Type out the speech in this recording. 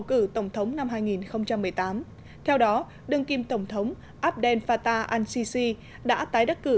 cử của tổng thống năm hai nghìn một mươi tám theo đó đơn kim tổng thống abdel fattah al sisi đã tái đắc cử